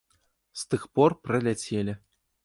З тых пор праляцелі.